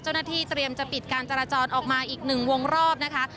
เจ้าหน้าที่เตรียมจะปิดการจราจรออกมาอีกหนึ่งวงรอบนะคะ